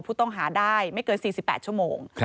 ผู้ต้องหาได้ไม่เกิน๔๘ชั่วโมง